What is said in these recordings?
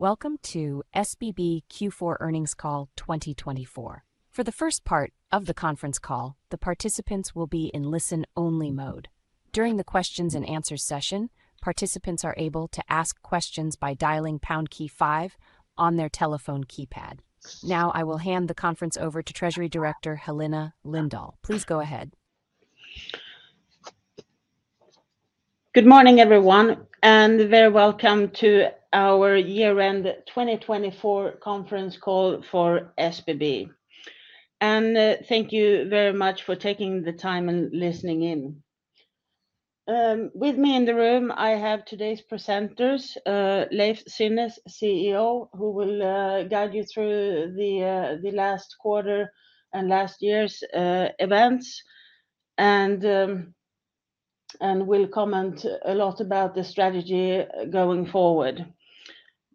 Welcome to SBB Q4 earnings call 2024. For the first part of the conference call, the participants will be in listen-only mode. During the Q&A session, participants are able to ask questions by dialing #5 on their telephone keypad. Now, I will hand the conference over to Treasury Director Helena Lindahl. Please go ahead. Good morning, everyone, and a very welcome to our year-end 2024 conference call for SBB. And thank you very much for taking the time and listening in. With me in the room, I have today's presenters, Leiv Synnes, CEO, who will guide you through the last quarter and last year's events, and will comment a lot about the strategy going forward.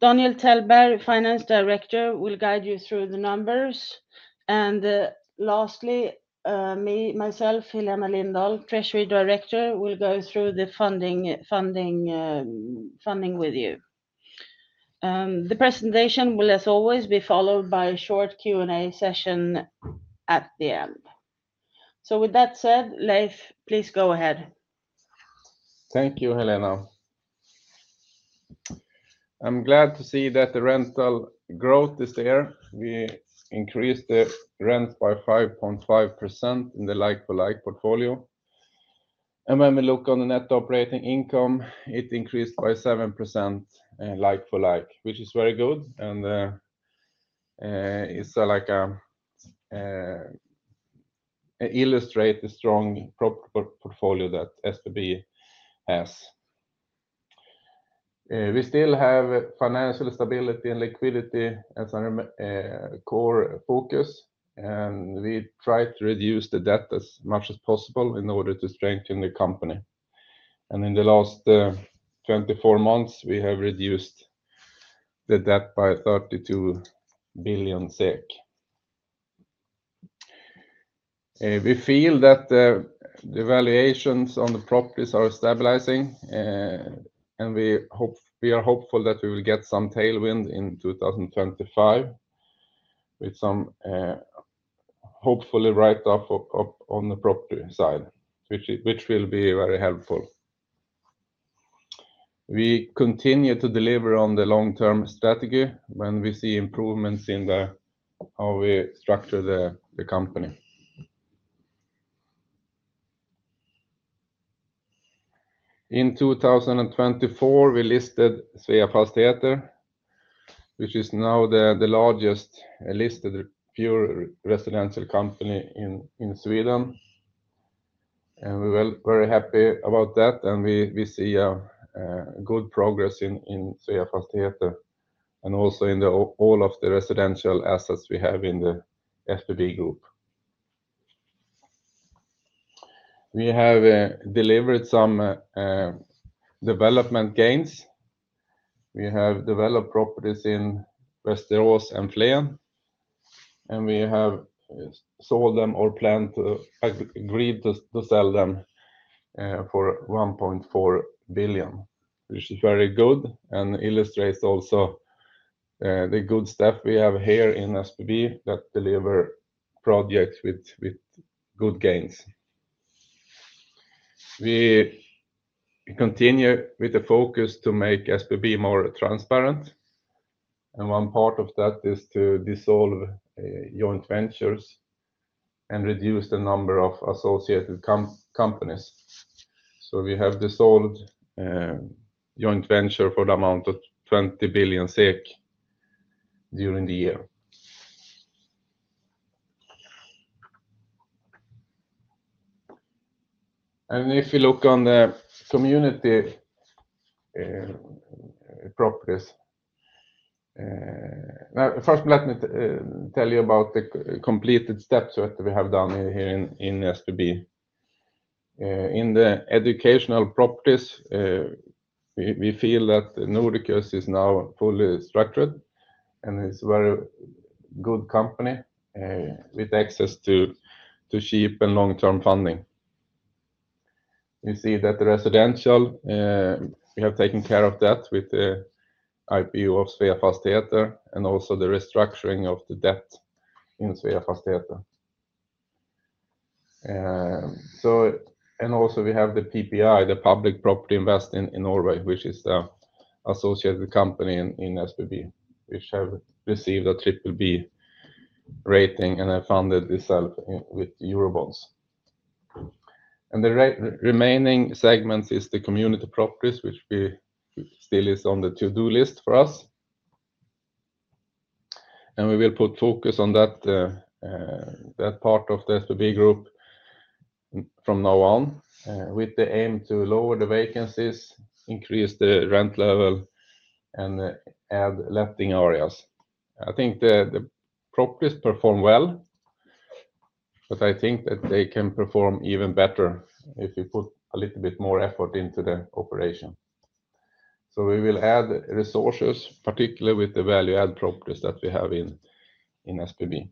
Daniel Olaissen, Finance Director, will guide you through the numbers. And lastly, myself, Helena Lindahl, Treasury Director, will go through the funding with you. The presentation will, as always, be followed by a short Q&A session at the end. So with that said, Leiv, please go ahead. Thank you, Helena. I'm glad to see that the rental growth is there. We increased the rent by 5.5% in the like-for-like portfolio. And when we look on the net operating income, it increased by 7% in like-for-like, which is very good. And it's like it illustrates the strong portfolio that SBB has. We still have financial stability and liquidity as our core focus. And we try to reduce the debt as much as possible in order to strengthen the company. And in the last 24 months, we have reduced the debt by 32 billion SEK. We feel that the valuations on the properties are stabilizing. And we are hopeful that we will get some tailwind in 2025, with some hopefully write-off on the property side, which will be very helpful. We continue to deliver on the long-term strategy when we see improvements in how we structure the company. In 2024, we listed Sveafastigheter, which is now the largest listed pure residential company in Sweden, and we're very happy about that, and we see good progress in Sveafastigheter and also in all of the residential assets we have in the SBB group. We have delivered some development gains. We have developed properties in Västerås and Flen, and we have sold them or plan to agree to sell them for 1.4 billion SEK, which is very good and illustrates also the good staff we have here in SBB that deliver projects with good gains. We continue with the focus to make SBB more transparent, and one part of that is to dissolve joint ventures and reduce the number of associated companies, so we have dissolved joint ventures for the amount of 20 billion SEK during the year. And if you look on the community properties, first, let me tell you about the completed steps that we have done here in SBB. In the educational properties, we feel that Nordiqus is now fully structured and is a very good company with access to cheap and long-term funding. You see that the residential, we have taken care of that with the IPO of Sveafastigheter and also the restructuring of the debt in Sveafastigheter. And also, we have the PPI, the Public Property Invest in Norway, which is an associated company in SBB, which has received a BBB rating and has funded itself with Eurobonds. And the remaining segments are the community properties, which still are on the to-do list for us. And we will put focus on that part of the SBB group from now on, with the aim to lower the vacancies, increase the rent level, and add letting areas. I think the properties perform well, but I think that they can perform even better if we put a little bit more effort into the operation, so we will add resources, particularly with the value-added properties that we have in SBB,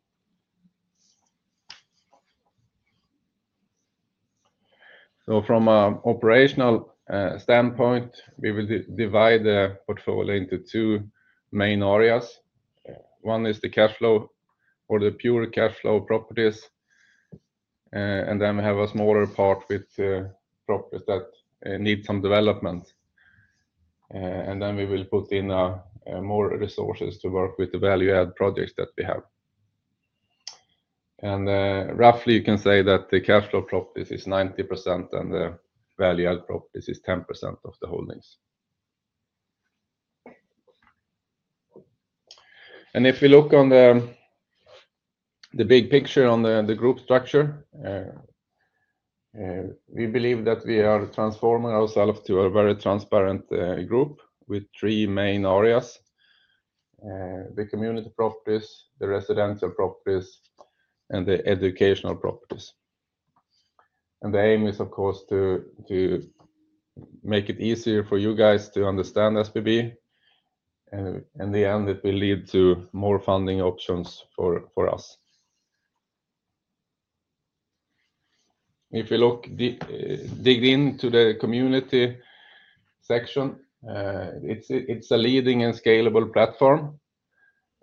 so from an operational standpoint, we will divide the portfolio into two main areas. One is the cash flow or the pure cash flow properties. And then we have a smaller part with properties that need some development, and then we will put in more resources to work with the value-added projects that we have, and roughly, you can say that the cash flow properties are 90% and the value-added properties are 10% of the holdings. And if we look on the big picture on the group structure, we believe that we are transforming ourselves to a very transparent group with three main areas: the community properties, the residential properties, and the educational properties. And the aim is, of course, to make it easier for you guys to understand SBB. In the end, it will lead to more funding options for us. If you look deep into the community section, it's a leading and scalable platform.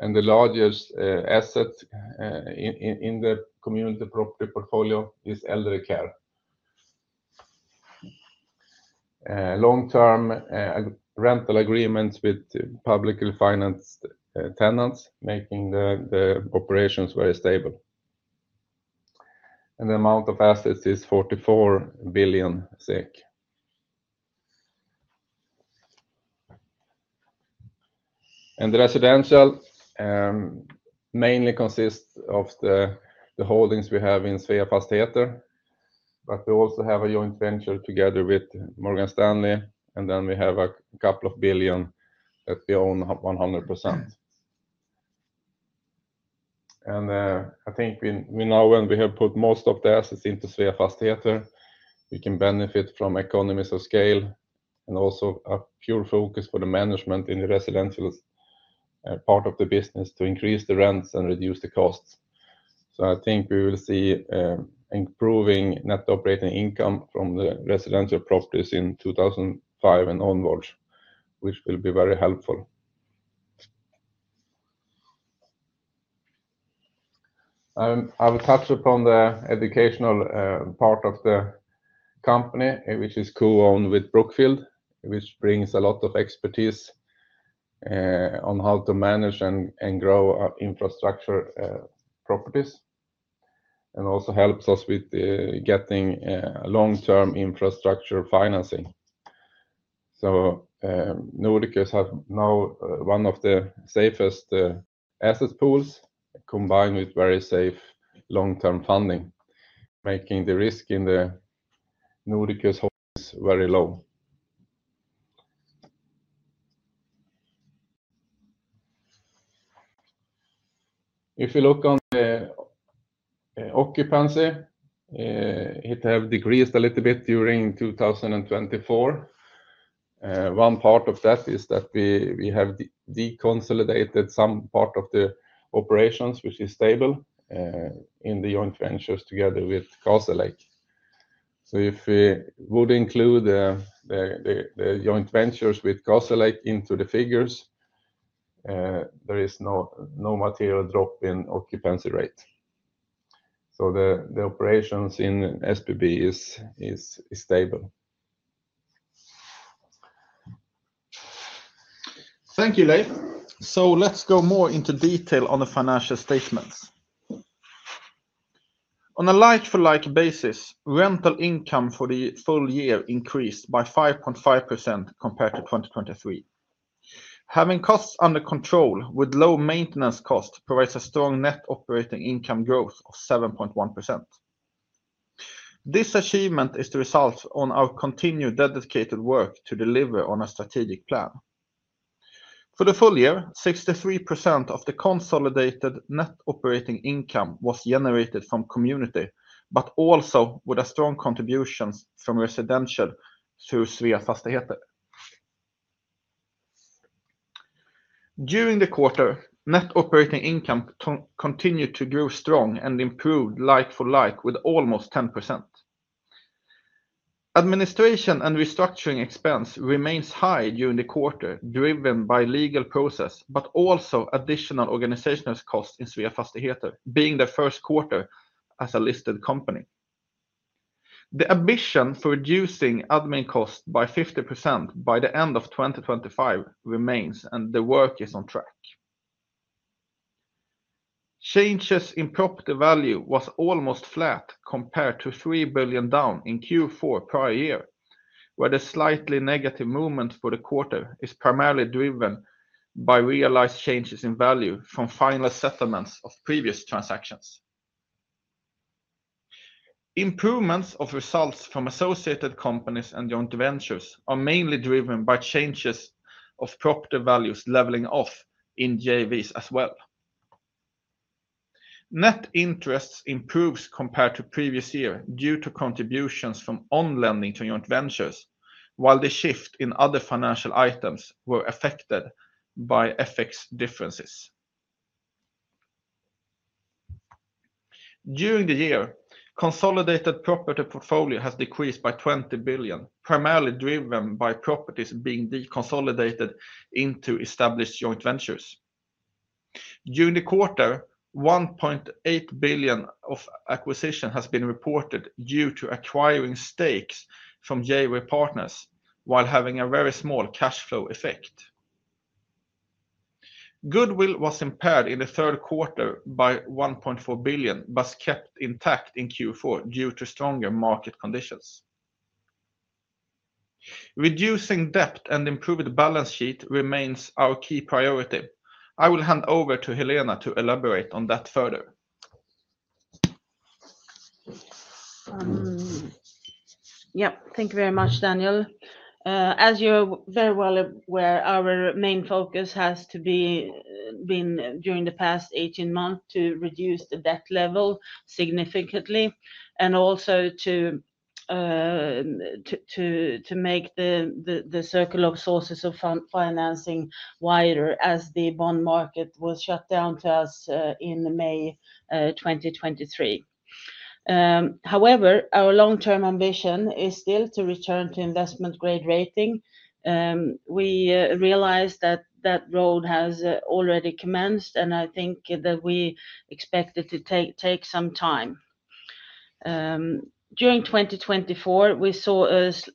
And the largest asset in the community property portfolio is elderly care. Long-term rental agreements with publicly financed tenants, making the operations very stable. And the amount of assets is 44 billion SEK. And the residential mainly consists of the holdings we have in Sveafastigheter. But we also have a joint venture together with Morgan Stanley. And then we have a couple of billion that we own 100%. I think we know when we have put most of the assets into Sveafastigheter, we can benefit from economies of scale and also a pure focus for the management in the residential part of the business to increase the rents and reduce the costs. So I think we will see improving net operating income from the residential properties in 2025 and onwards, which will be very helpful. I will touch upon the educational part of the company, which is co-owned with Brookfield, which brings a lot of expertise on how to manage and grow infrastructure properties. And also helps us with getting long-term infrastructure financing. So Nordiqus has now one of the safest asset pools combined with very safe long-term funding, making the risk in the Nordiqus holdings very low. If you look on the occupancy, it has decreased a little bit during 2024. One part of that is that we have deconsolidated some part of the operations, which is stable in the joint ventures together with Castlelake. So if we would include the joint ventures with Castlelake into the figures, there is no material drop in occupancy rate. So the operations in SBB are stable. Thank you, Leiv. So let's go more into detail on the financial statements. On a like-for-like basis, rental income for the full year increased by 5.5% compared to 2023. Having costs under control with low maintenance costs provides a strong net operating income growth of 7.1%. This achievement is the result of our continued dedicated work to deliver on a strategic plan. For the full year, 63% of the consolidated net operating income was generated from community, but also with strong contributions from residential through Sveafastigheter. During the quarter, net operating income continued to grow strong and improved like-for-like with almost 10%. Administration and restructuring expense remains high during the quarter, driven by legal process, but also additional organizational costs in Sveafastigheter, being the Q1 as a listed company. The ambition for reducing admin costs by 50% by the end of 2025 remains, and the work is on track. Changes in property value were almost flat compared to 3 billion down in Q4 prior year, where the slightly negative movement for the quarter is primarily driven by realized changes in value from final settlements of previous transactions. Improvements of results from associated companies and joint ventures are mainly driven by changes of property values leveling off in JVs as well. Net interest improves compared to the previous year due to contributions from on-lending to joint ventures, while the shift in other financial items was affected by FX differences. During the year, the consolidated property portfolio has decreased by 20 billion, primarily driven by properties being deconsolidated into established joint ventures. During the quarter, 1.8 billion of acquisitions have been reported due to acquiring stakes from JV partners, while having a very small cash flow effect. Goodwill was impaired in the Q3 by 1.4 billion, but kept intact in Q4 due to stronger market conditions. Reducing debt and improved balance sheet remains our key priority. I will hand over to Helena to elaborate on that further. Yep, thank you very much, Daniel. As you're very well aware, our main focus has been during the past 18 months to reduce the debt level significantly and also to make the circle of sources of financing wider as the bond market was shut down to us in May 2023. However, our long-term ambition is still to return to investment-grade rating. We realize that that road has already commenced, and I think that we expect it to take some time. During 2024, we saw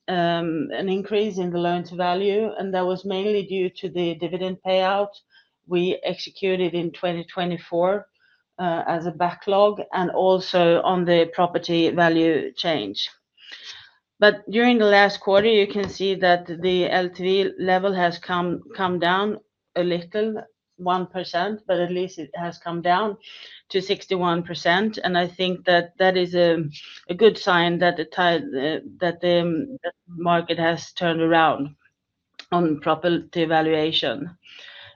an increase in the loan-to-value, and that was mainly due to the dividend payout we executed in 2024 as a backlog and also on the property value change. But during the last quarter, you can see that the LTV level has come down a little, 1%, but at least it has come down to 61%. I think that that is a good sign that the market has turned around on property valuation.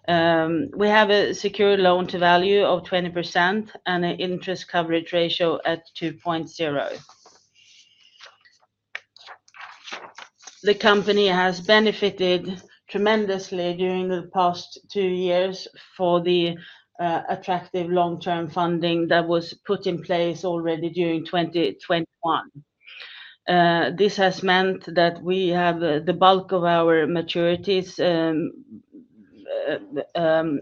We have a secure loan-to-value of 20% and an interest coverage ratio at 2.0. The company has benefited tremendously during the past two years for the attractive long-term funding that was put in place already during 2021. This has meant that we have the bulk of our maturities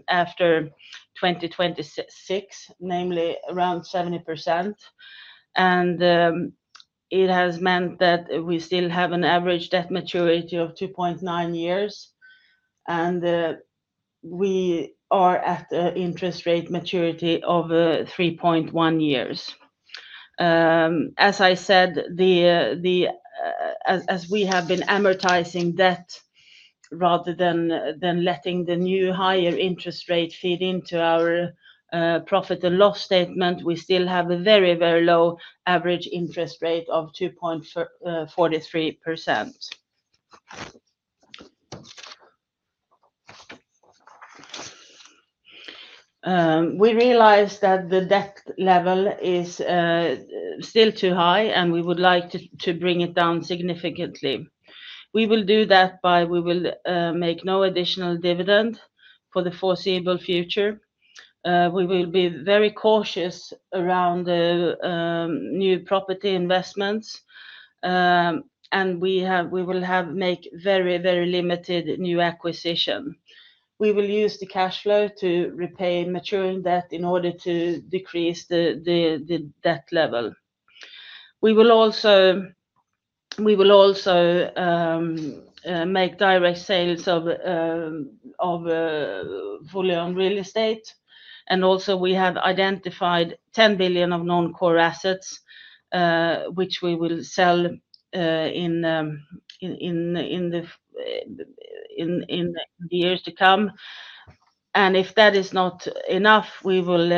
after 2026, namely around 70%. And it has meant that we still have an average debt maturity of 2.9 years, and we are at an interest rate maturity of 3.1 years. As I said, as we have been amortizing debt rather than letting the new higher interest rate feed into our profit and loss statement, we still have a very, very low average interest rate of 2.43%. We realize that the debt level is still too high, and we would like to bring it down significantly. We will do that by making no additional dividend for the foreseeable future. We will be very cautious around new property investments, and we will make very, very limited new acquisitions. We will use the cash flow to repay maturing debt in order to decrease the debt level. We will also make direct sales of fully owned real estate. We have also identified 10 billion of non-core assets, which we will sell in the years to come. If that is not enough, we will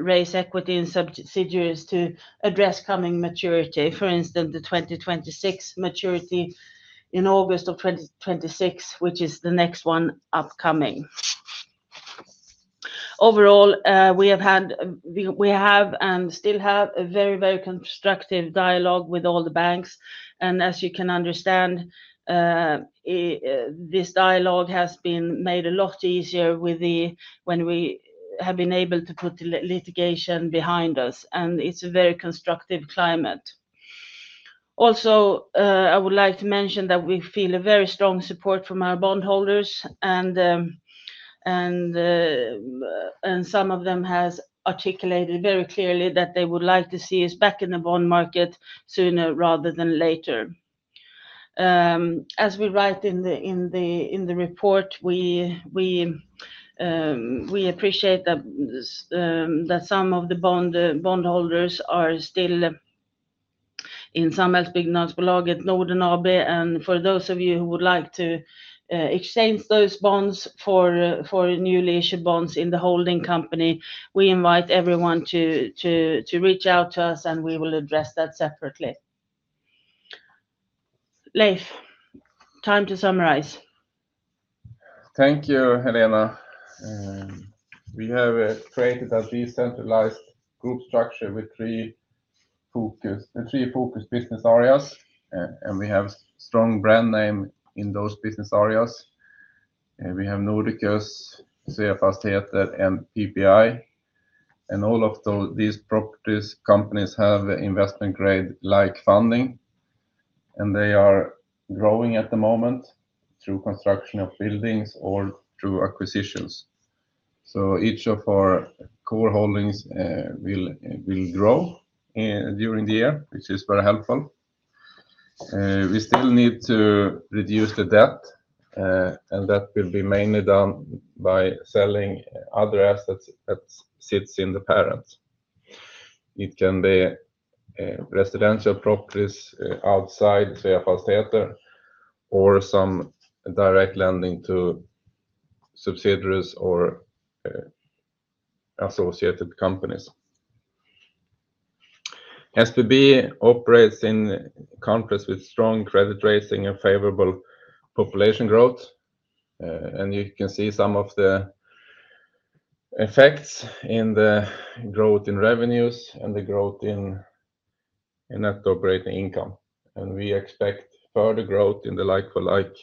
raise equity in subsidiaries to address coming maturity, for instance, the 2026 maturity in August of 2026, which is the next one upcoming. Overall, we have had and still have a very, very constructive dialogue with all the banks. As you can understand, this dialogue has been made a lot easier when we have been able to put litigation behind us. It's a very constructive climate. Also, I would like to mention that we feel a very strong support from our bondholders, and some of them have articulated very clearly that they would like to see us back in the bond market sooner rather than later. As we write in the report, we appreciate that some of the bondholders are still in Samhällsbyggnadsbolaget i Norden AB. For those of you who would like to exchange those bonds for newly issued bonds in the holding company, we invite everyone to reach out to us, and we will address that separately. Leiv, time to summarize. Thank you, Helena. We have created a decentralized group structure with three focused business areas, and we have a strong brand name in those business areas. We have Nordiqus, Sveafastigheter, and PPI, and all of these properties, companies have investment-grade-like funding, and they are growing at the moment through construction of buildings or through acquisitions, so each of our core holdings will grow during the year, which is very helpful. We still need to reduce the debt, and that will be mainly done by selling other assets that sit in the parent. It can be residential properties outside Sveafastigheter or some direct lending to subsidiaries or associated companies. SBB operates in countries with strong credit rating and favorable population growth, and you can see some of the effects in the growth in revenues and the growth in net operating income. We expect further growth in the like-for-like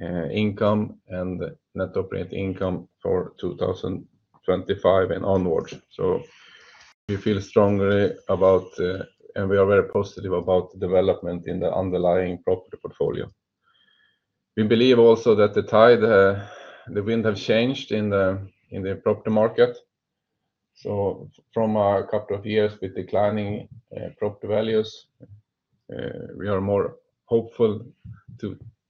income and net operating income for 2025 and onwards. We feel strongly about, and we are very positive about the development in the underlying property portfolio. We believe also that the tide, the wind has changed in the property market. From a couple of years with declining property values, we are more hopeful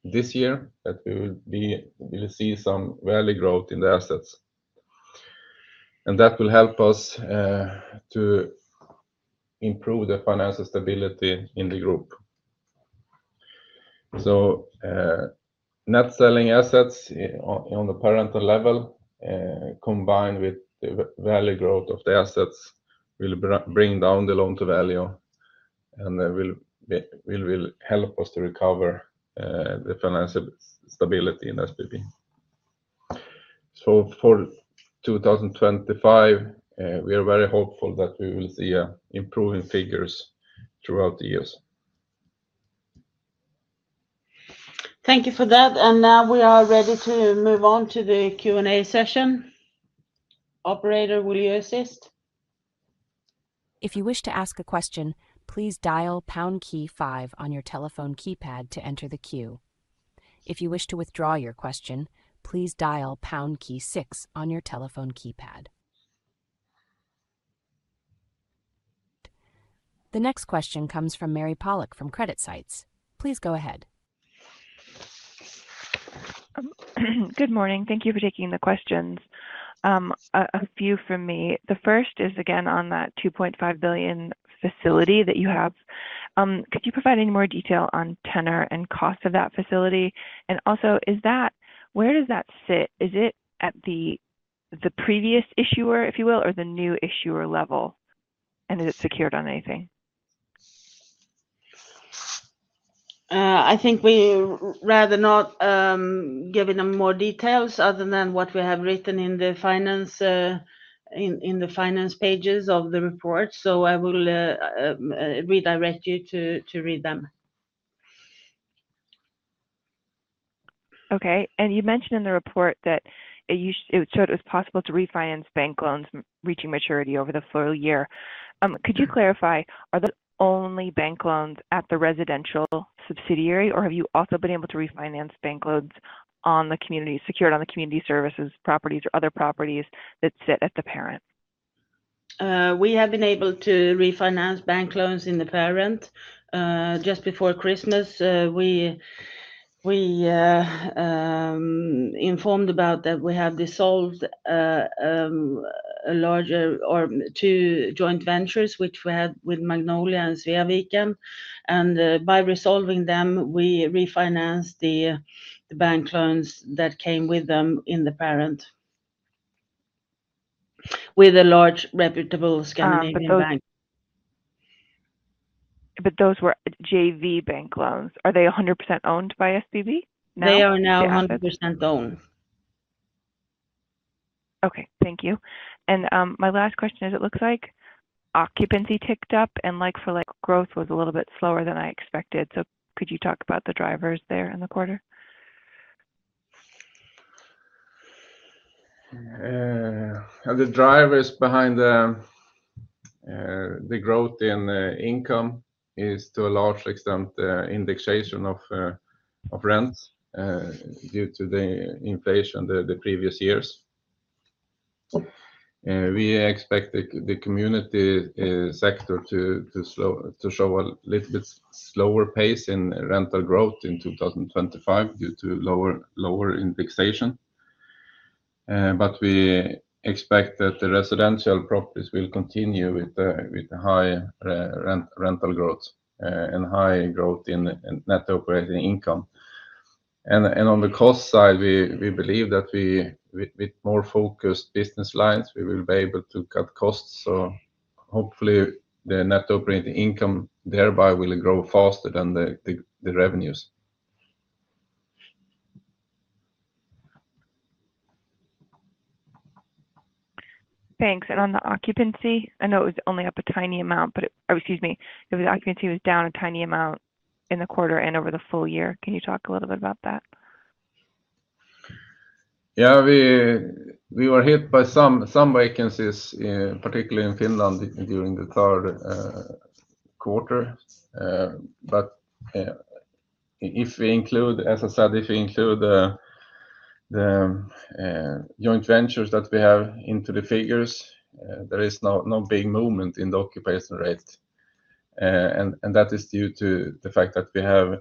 this year that we will see some value growth in the assets. That will help us to improve the financial stability in the group. Net selling assets on the parental level, combined with the value growth of the assets, will bring down the loan-to-value, and will help us to recover the financial stability in SBB. For 2025, we are very hopeful that we will see improving figures throughout the years. Thank you for that. And now we are ready to move on to the Q&A session. Operator, will you assist? If you wish to ask a question, please dial pound key 5 on your telephone keypad to enter the queue. If you wish to withdraw your question, please dial pound key 6 on your telephone keypad. The next question comes from Mary Pollock from CreditSights. Please go ahead. Good morning. Thank you for taking the questions. A few from me. The first is again on that 2.5 billion facility that you have. Could you provide any more detail on tenor and cost of that facility? And also, where does that sit? Is it at the previous issuer, if you will, or the new issuer level? And is it secured on anything? I think we'd rather not give any more details other than what we have written in the finance pages of the report, so I will redirect you to read them. Okay. And you mentioned in the report that it was possible to refinance bank loans reaching maturity over the full year. Could you clarify, are those only bank loans at the residential subsidiary, or have you also been able to refinance bank loans secured on the community services properties or other properties that sit at the parent? We have been able to refinance bank loans in the parent. Just before Christmas, we informed that we have dissolved two joint ventures, which we had with Magnolia and Sveaviken, and by dissolving them, we refinanced the bank loans that came with them in the parent with a large reputable Scandinavian bank. But those were JV bank loans. Are they 100% owned by SBB? They are now 100% owned. Okay. Thank you. And my last question is, it looks like occupancy ticked up, and for growth was a little bit slower than I expected. So could you talk about the drivers there in the quarter? The drivers behind the growth in income is, to a large extent, the indexation of rents due to the inflation the previous years. We expect the community sector to show a little bit slower pace in rental growth in 2025 due to lower indexation, but we expect that the residential properties will continue with high rental growth and high growth in net operating income and on the cost side, we believe that with more focused business lines, we will be able to cut costs, so hopefully, the net operating income there by will grow faster than the revenues. Thanks. And on the occupancy, I know it was only up a tiny amount, but excuse me, occupancy was down a tiny amount in the quarter and over the full year. Can you talk a little bit about that? Yeah. We were hit by some vacancies, particularly in Finland during the Q3. But if we include, as I said, if we include the joint ventures that we have into the figures, there is no big movement in the occupancy rate. And that is due to the fact that we have a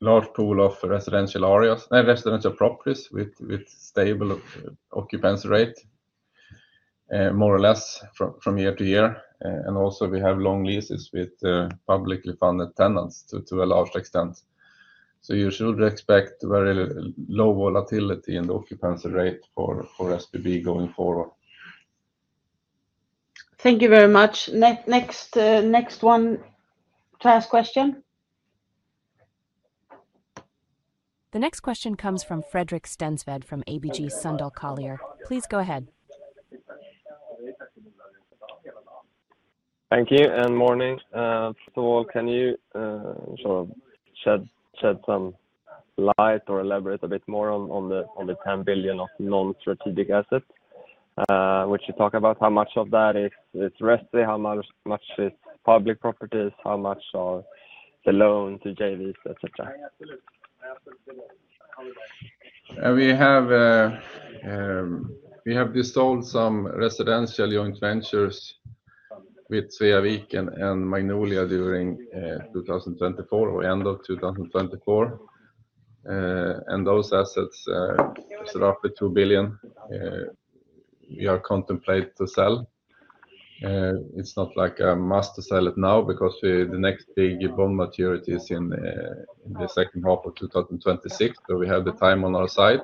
large pool of residential areas, residential properties with stable occupancy rate, more or less from year to year. And also, we have long leases with publicly funded tenants to a large extent. So you should expect very low volatility in the occupancy rate for SBB going forward. Thank you very much. Next one, to ask a question? The next question comes from Fredrik Stensved from ABG Sundal Collier. Please go ahead. Thank you. Good morning. So can you sort of shed some light or elaborate a bit more on the 10 billion of non-strategic assets, which you talk about? How much of that is residential? How much is public properties? How much are the loans to JVs, etc.? We have dissolved some residential joint ventures with Sveaviken and Magnolia during 2024 or end of 2024. And those assets are roughly 2 billion we are contemplating to sell. It's not like a must to sell it now because the next big bond maturity is in the second half of 2026. So we have the time on our side.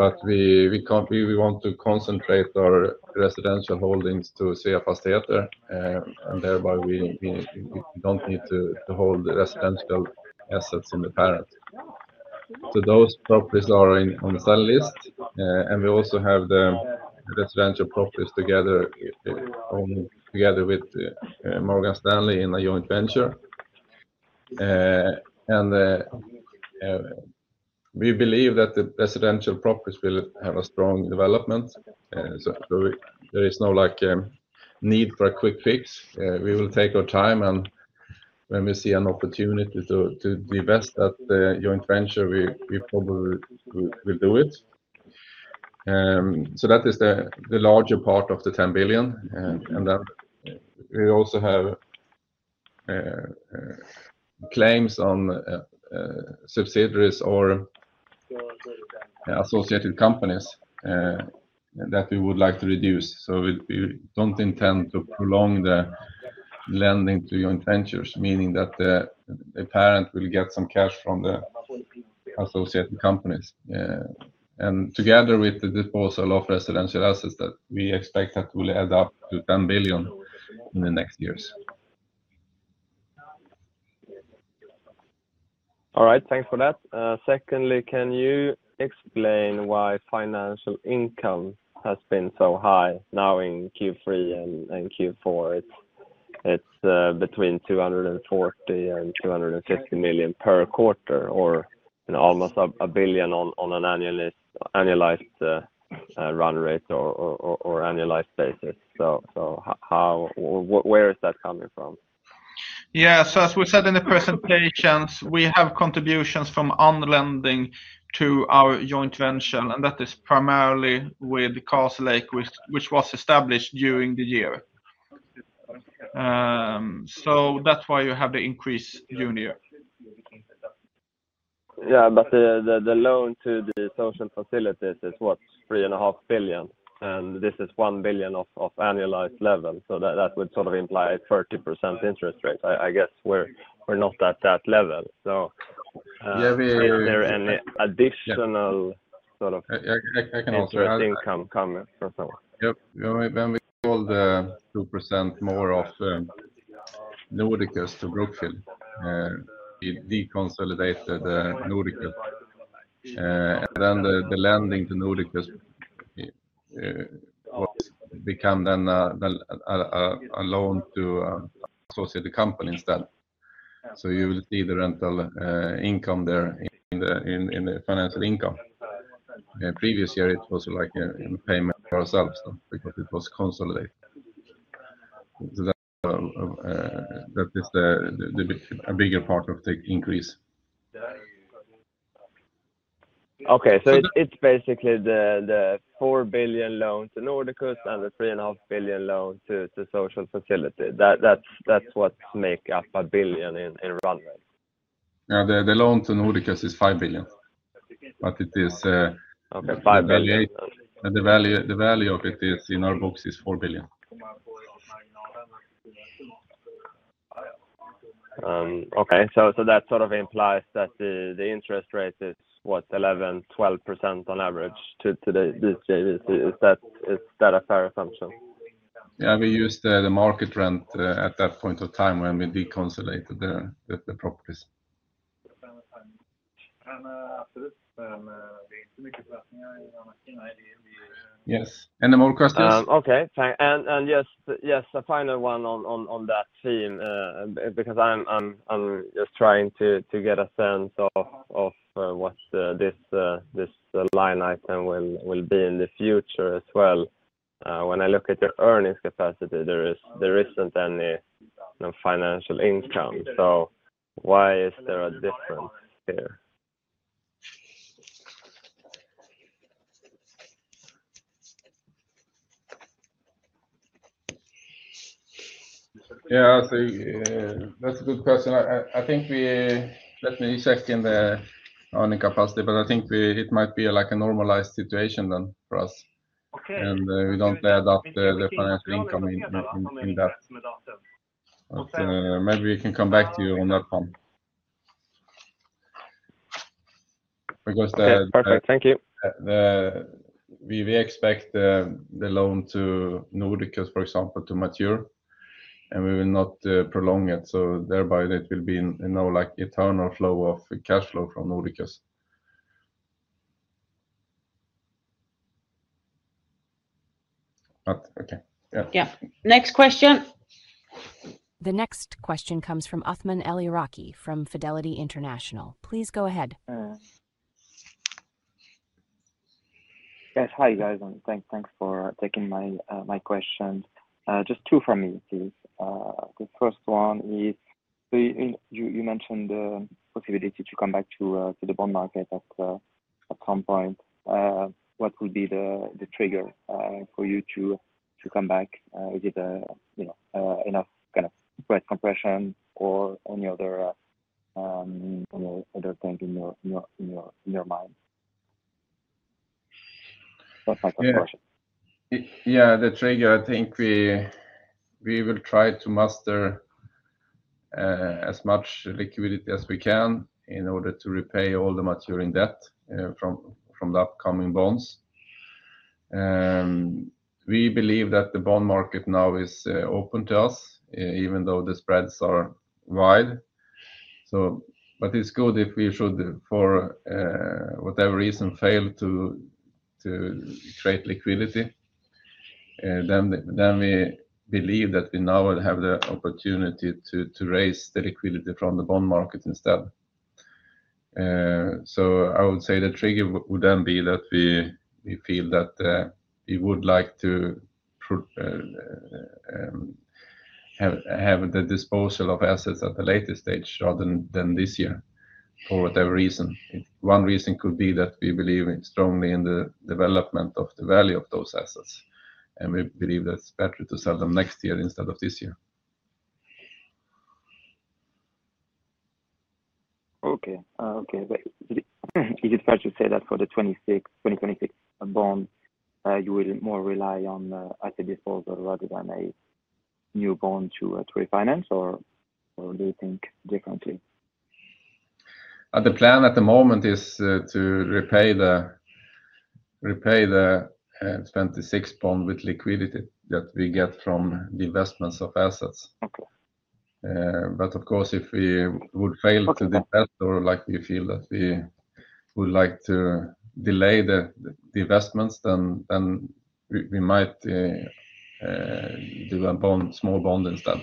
But we want to concentrate our residential holdings to Sveafastigheter, and thereby we don't need to hold residential assets in the parent. So those properties are on the sale list. And we also have the residential properties together with Morgan Stanley in a joint venture. And we believe that the residential properties will have a strong development. So there is no need for a quick fix. We will take our time. And when we see an opportunity to divest that joint venture, we probably will do it. So that is the larger part of the 10 billion. And then we also have claims on subsidiaries or associated companies that we would like to reduce. So we don't intend to prolong the lending to joint ventures, meaning that the parent will get some cash from the associated companies. And together with the disposal of residential assets, we expect that will add up to 10 billion in the next years. All right. Thanks for that. Secondly, can you explain why financial income has been so high now in Q3 and Q4? It's between 240 and 250 million SEK per quarter or almost a billion SEK on an annualized run rate or annualized basis. So where is that coming from? Yeah. So as we said in the presentations, we have contributions from underlying to our joint venture, and that is primarily with Castlelake, which was established during the year. So that's why you have the increase during the year. Yeah, but the loan to the social facilities is what, 3.5 billion? And this is one billion of annualized level, so that would sort of imply a 30% interest rate. I guess we're not at that level, so is there any additional sort of interest income coming from somewhere? Yep. When we sold 2% more of Nordiqus to Brookfield, we deconsolidated Nordiqus, and then the lending to Nordiqus became a loan to an associated company instead, so you will see the rental income there in the financial income. Previous year, it was like a payment for ourselves because it was consolidated, so that is a bigger part of the increase. Okay. So it's basically the 4 billion loan to Nordiqus and the 3.5 billion loan to social facility. That's what makes up a billion SEK in run rate. Yeah. The loan to Nordiqus is 5 billion. But it is 5 billion. And the value of it is, in our books, 4 billion. Okay. So that sort of implies that the interest rate is, what, 11%-12% on average to these JVs. Is that a fair assumption? Yeah. We used the market rent at that point of time when we deconsolidated the properties. Yes. Any more questions? Okay. And yes, a final one on that theme because I'm just trying to get a sense of what this line item will be in the future as well. When I look at your earnings capacity, there isn't any financial income. So why is there a difference here? Yeah. That's a good question. I think we definitely checked in the earning capacity, but I think it might be like a normalized situation then for us. And we don't add up the financial income in that. Maybe we can come back to you on that one because. Perfect. Thank you. We expect the loan to Nordiqus, for example, to mature, and we will not prolong it. So thereby, it will be no eternal flow of cash flow from Nordiqus. Okay. Yeah. Yeah. Next question. The next question comes from Othman El-Iraqi from Fidelity International. Please go ahead. Yes. Hi, guys, and thanks for taking my questions. Just two from me, please. The first one is, you mentioned the possibility to come back to the bond market at some point. What would be the trigger for you to come back? Is it enough kind of rate compression or any other thing in your mind? That's my question. Yeah. The trigger, I think we will try to muster as much liquidity as we can in order to repay all the maturing debt from the upcoming bonds. We believe that the bond market now is open to us, even though the spreads are wide. But it's good if we should, for whatever reason, fail to create liquidity. Then we believe that we now will have the opportunity to raise the liquidity from the bond market instead. So I would say the trigger would then be that we feel that we would like to have the disposal of assets at the later stage rather than this year for whatever reason. One reason could be that we believe strongly in the development of the value of those assets. And we believe that it's better to sell them next year instead of this year. Is it fair to say that for the 2026 bond, you will more rely on asset disposal rather than a new bond to refinance, or do you think differently? The plan at the moment is to repay the 2026 bond with liquidity that we get from the investments of assets. But of course, if we would fail to do that or we feel that we would like to delay the investments, then we might do a small bond instead.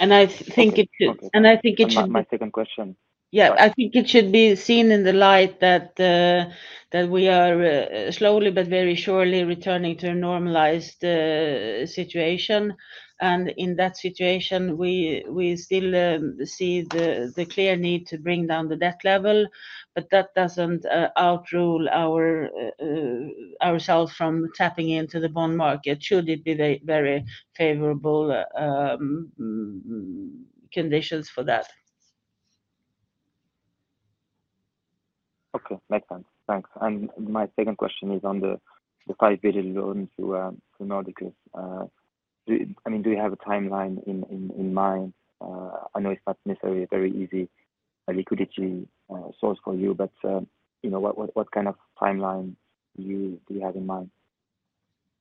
I think it should. My second question. Yeah. I think it should be seen in the light that we are slowly but very surely returning to a normalized situation. And in that situation, we still see the clear need to bring down the debt level. But that doesn't rule out ourselves from tapping into the bond market should it be very favorable conditions for that. Okay. Makes sense. Thanks. And my second question is on the 5 billion loan to Nordiqus. I mean, do you have a timeline in mind? I know it's not necessarily a very easy liquidity source for you, but what kind of timeline do you have in mind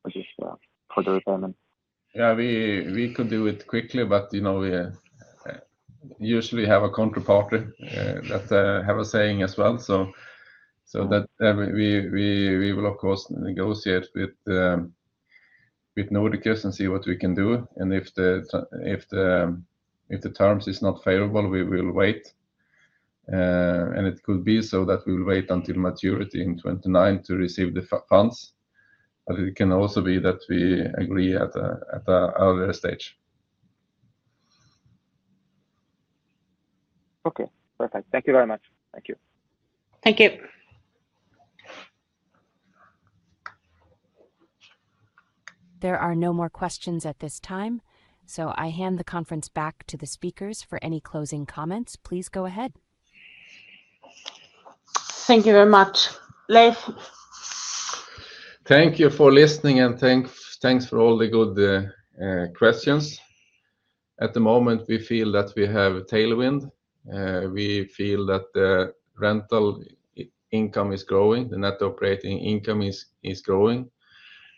for the retirement? Yeah. We could do it quickly, but we usually have a counterpart that have a saying as well. So we will, of course, negotiate with Nordiqus and see what we can do. And if the terms are not favorable, we will wait. And it could be so that we will wait until maturity in 2029 to receive the funds. But it can also be that we agree at an earlier stage. Okay. Perfect. Thank you very much. Thank you. Thank you. There are no more questions at this time. So I hand the conference back to the speakers. For any closing comments, please go ahead. Thank you very much. Leiv. Thank you for listening, and thanks for all the good questions. At the moment, we feel that we have tailwind. We feel that the rental income is growing. The net operating income is growing.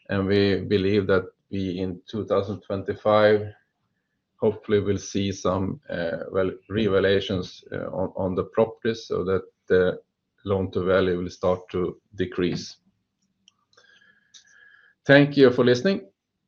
And we believe that we, in 2025, hopefully will see some revaluations on the properties so that the loan-to-value will start to decrease. Thank you for listening.